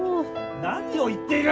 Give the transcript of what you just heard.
何を言っている！？